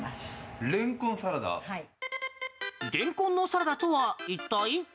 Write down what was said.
レンコンのサラダとは一体？